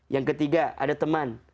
yang ketiga ada teman